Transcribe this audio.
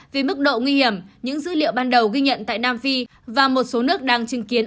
vì mức độ nguy hiểm những dữ liệu ban đầu ghi nhận tại nam phi và một số nước đang chứng kiến